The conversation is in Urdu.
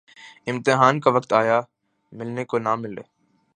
امتحان کا وقت آیا‘ ملنے کو نہ ملے۔